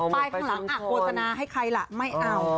ป้ายข้างหลังออกโบสถ์นาให้ใครล่ะไม่เอา